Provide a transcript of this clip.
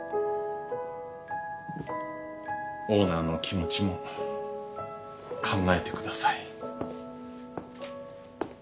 オーナーの気持ちも考えてください。